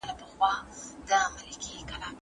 استاد شاولي